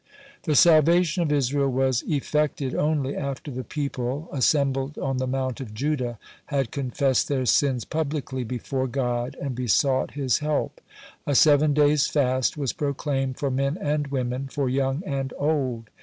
(77) The salvation of Israel was effected only after the people, assembled on the Mount of Judah, had confessed their sins publicly before God and besought His help. A seven days' fast was proclaimed for men and women, for young and old.